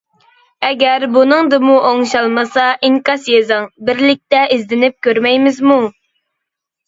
ئەگەر بۇنىڭدىمۇ ئوڭشالمىسا ئىنكاس يېزىڭ. بىرلىكتە ئىزدىنىپ كۆرمەيمىزمۇ؟ !